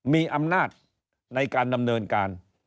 มีอำนาจในการดำเนินการ